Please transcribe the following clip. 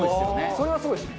それはすごいですね。